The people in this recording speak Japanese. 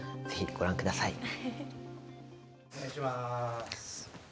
ぜひ、ご覧ください。